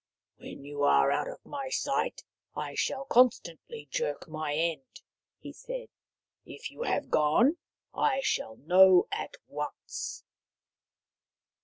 " When you are out of my sight I shall constantly jerk my end," he said. " If you have gone I shall know at once."